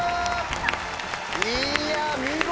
いや見事！